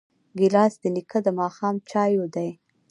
ګیلاس د نیکه د ماښام چایو دی.